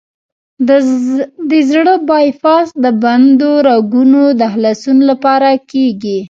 د زړه بای پاس د بندو رګونو د خلاصون لپاره کېږي.